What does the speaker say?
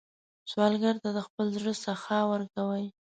سوالګر ته د خپل زړه سخا ورکوئ